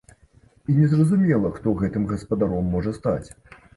І незразумела, хто гэтым гаспадаром можа стаць.